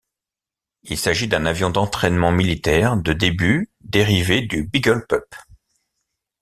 Il s'agit d'un avion d'entrainement militaire de début dérivé du Beagle Pup.